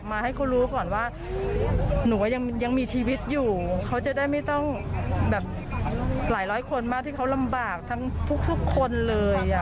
มีชีวิตอยู่เขาจะได้ไม่ต้องแบบหลายร้อยคนมาที่เขาลำบากทั้งทุกทุกคนเลยอ่ะ